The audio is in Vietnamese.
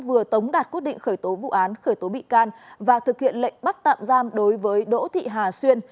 vừa tống đạt quyết định khởi tố vụ án khởi tố bị can và thực hiện lệnh bắt tạm giam đối với đỗ thị hà xuyên